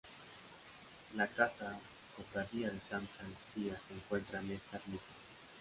La Casa Cofradía de Santa Lucía se encuentra en esta ermita.